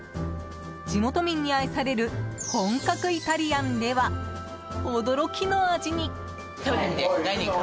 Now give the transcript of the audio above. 地元民に愛される本格イタリアンでは驚きの味に。